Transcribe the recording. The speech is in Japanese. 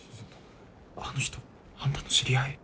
あの人あんたの知り合い？